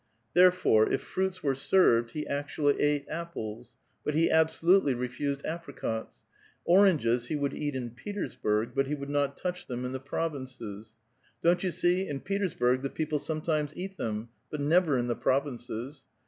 Xherefore, if fruits were served, he actually ate apples, 3ut be absolutely refused apricots ; oranges he would eat in Petersburg, but he would not touch them in the provinces. Don't you see, in Petersburg the people some times eat them, but never in the provinces.